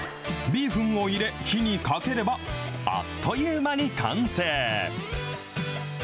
ビーフンを入れ、火にかければ、あっという間に完成。